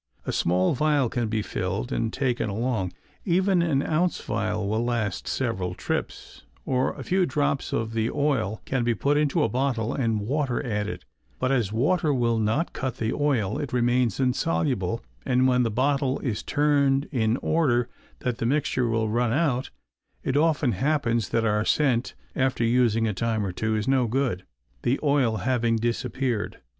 A small vial can be filled and taken along even an ounce vial will last several trips; or a few drops of the oil can be put into a bottle and water added, but as water will not cut the oil, it remains insoluble and when the bottle is turned in order that the mixture will run out, it often happens that our scent (after using a time or two) is no good, the oil having disappeared.